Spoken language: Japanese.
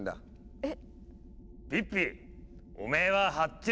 えっ！